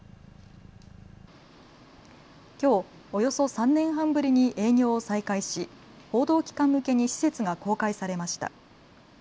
きょうおよそ３年半ぶりに営業を再開し報道機関向けに施設が公開されました。